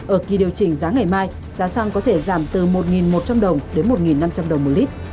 ở kỳ điều chỉnh giá ngày mai giá xăng có thể giảm từ một một trăm linh đồng đến một năm trăm linh đồng một lít